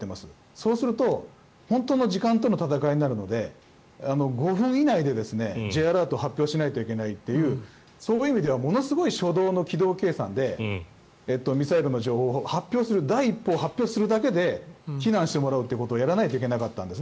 そうすると、本当の時間との戦いになるので５分以内でＪアラートを発表しないといけないというその意味ではものすごい初動の軌道計算でミサイルの情報を発表する第１報を発表するだけで避難してもらうということをやらないといけなかったんです。